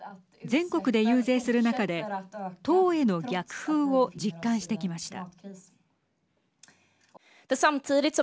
全国で遊説する中で党への逆風を実感してきました。